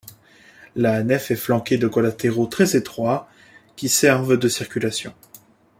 La nef est flanquée de collatéraux très étroits qui servent de circulations.